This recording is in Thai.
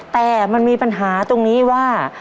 แต่มันมีปัญหาตรงนี้ว่า